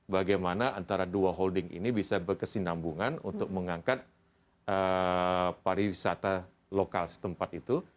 bagaimana antara dua holding ini bisa berkesinambungan untuk mengangkat pariwisata lokal setempat itu